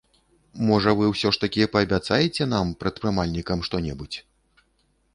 Можа вы ўсё ж такі паабяцаеце нам, прадпрымальнікам, што-небудзь?